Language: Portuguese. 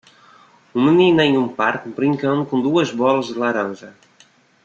Um menino em um parque brincando com duas bolas de laranja.